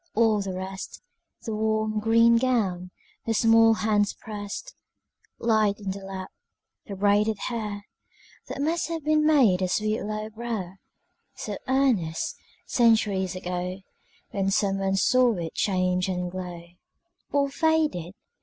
All the rest The warm green gown, the small hands pressed Light in the lap, the braided hair That must have made the sweet low brow So earnest, centuries ago, When some one saw it change and glow All faded!